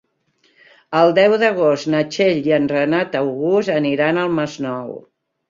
El deu d'agost na Txell i en Renat August aniran al Masnou.